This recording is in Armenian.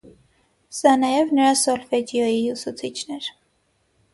Նա նաև նրա սոլֆեջիոյի ուսուցիչն էր։